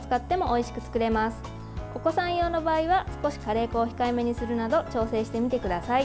お子さん用の場合は少しカレー粉を控えめにするなど調整してみてください。